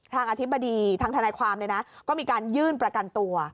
อธิบดีทางทนายความเนี่ยนะก็มีการยื่นประกันตัว